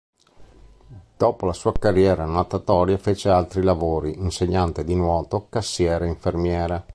Dopo la sua carriera natatoria fece altri lavori: insegnante di nuoto, cassiera e infermiera.